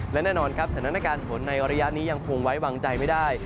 ในออนุญาตนี้ยังพงไว้วางใจไม่ได้